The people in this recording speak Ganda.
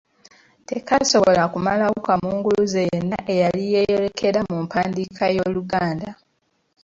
Tekaasobola kumalawo kamunguluze yenna eyali yeeyolekera mu mpandiika y’Oluganda.